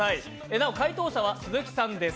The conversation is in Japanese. なお解答者は鈴木さんです。